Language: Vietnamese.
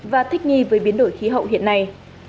và thích nghi với biến đổi khí hậu hiện nay